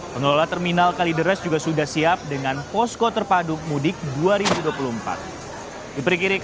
pengelola terminal kalideres juga sudah siap dengan posko terpadu mudik dua ribu dua puluh empat